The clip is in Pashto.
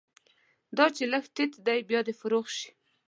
دا چې لږ تت دی، بیا دې فروغ شي